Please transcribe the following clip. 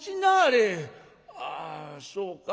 あそうか。